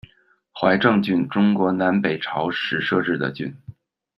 怀政郡，中国南北朝时设置的郡。